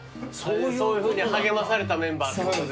そういうふうに励まされたメンバーってこと。